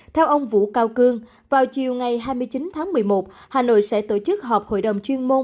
theo ông vũ cao cương vào chiều ngày hai mươi chín tháng một mươi một hà nội sẽ tổ chức họp hội đồng chuyên môn